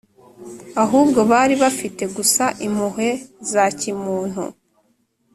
ahubwo bari bafite gusa impuhwe za kimuntu